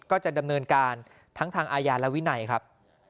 ก็จะดำเนินการทั้งทางอาญาและวินัยครับ